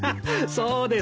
そうです。